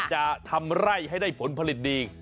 จะทำไร่ให้ได้ผลผลิตดี